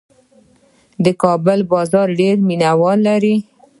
د کابل بازان ډېر مینه وال لري.